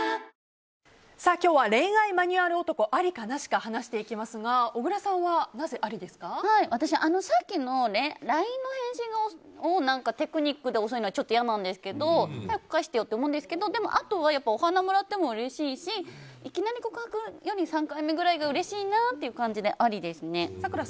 今日は恋愛マニュアル男ありかなしか話していきますが私、さっきのＬＩＮＥの返信がテクニックで遅いのはちょっと嫌なんですけど早く返してよって思うけどあとはお花をもらってもうれしいしいきなり告白より３回目ぐらいがうれしいなという感じでありですね。